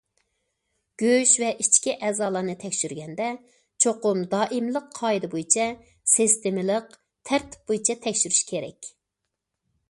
گۆش ۋە ئىچكى ئەزالارنى تەكشۈرگەندە، چوقۇم دائىملىق قائىدە بويىچە سىستېمىلىق، تەرتىپ بويىچە تەكشۈرۈش كېرەك.